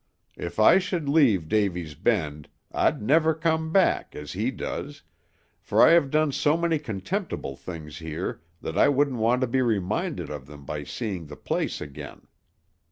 If I should leave Davy's Bend, I'd never come back, as he does; for I have done so many contemptible things here that I wouldn't want to be reminded of them by seeing the place again.